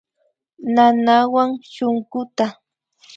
Nanawan shunkuta